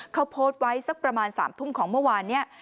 เขาโพสต์ไว้สักประมาณ๓ทุ่มของเมื่อวานนี้